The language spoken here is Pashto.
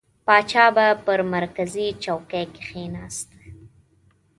پاچا به پر مرکزي چوکۍ کښېنست.